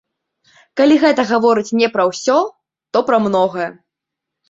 Калі гэта гаворыць не пра ўсё, то пра многае.